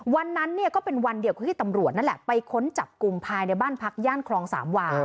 วันนั้นเนี่ยก็เป็นวันเดียวคือที่ตำรวจนั่นแหละไปค้นจับกลุ่มภายในบ้านพักย่านคลองสามวา